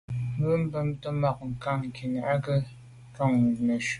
Me bumte bag ngankine à nke ngon neshu.